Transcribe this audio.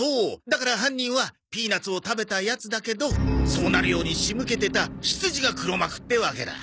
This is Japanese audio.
だから犯人はピーナツを食べたヤツだけどそうなるように仕向けてた執事が黒幕ってわけだ。